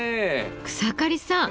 草刈さん